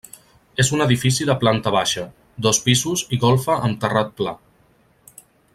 És un edifici de planta baixa, dos pisos i golfes amb terrat pla.